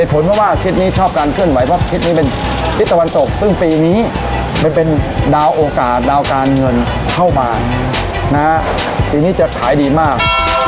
ผลเพราะว่าทริปนี้ชอบการเคลื่อนไหวเพราะทิศนี้เป็นทิศตะวันตกซึ่งปีนี้มันเป็นดาวโอกาสดาวการเงินเข้ามาปีนี้จะขายดีมาก